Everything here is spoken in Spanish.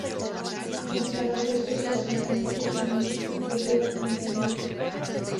Se han encontrado restos de asentamientos humanos del período Megalítico.